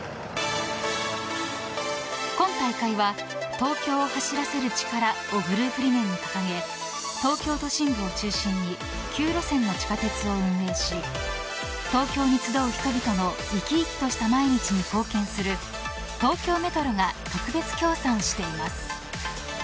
今大会は東京を走らせる力をグループ理念に掲げる東京都心部を中心に９路線の地下鉄を運営し東京に集う人々の生き生きとした毎日に貢献する東京メトロが特別協賛しています。